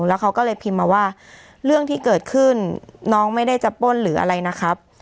แล้วเขาก็เลยพิมพ์มาว่าเรื่องที่เกิดขึ้นน้องไม่ได้จะป้นหรืออะไรนะครับ